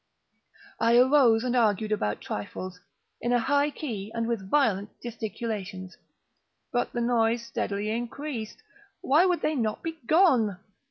I arose and argued about trifles, in a high key and with violent gesticulations; but the noise steadily increased. Why would they not be gone?